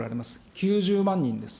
９０万人です。